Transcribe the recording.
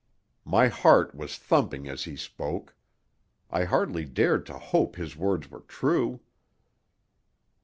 My heart was thumping as he spoke. I hardly dared to hope his words were true.